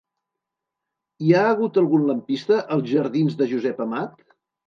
Hi ha algun lampista als jardins de Josep Amat?